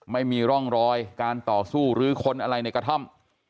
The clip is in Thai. ไม่มีร่องรอยการต่อสู้หรือค้นอะไรในกระท่อม